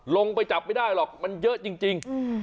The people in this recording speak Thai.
ลงไปจับไม่ได้หรอกมันเยอะจริง